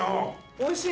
おいしい。